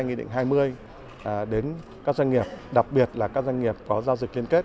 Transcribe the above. nghị định hai mươi đến các doanh nghiệp đặc biệt là các doanh nghiệp có giao dịch liên kết